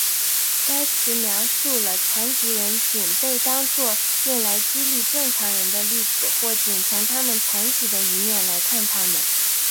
该词描述了残疾人仅被当做用来激励正常人的例子或仅从他们残疾的一面来看他们。